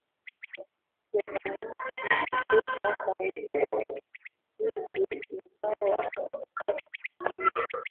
urahisi kutoka kambini kwetu ingawa kukata eneo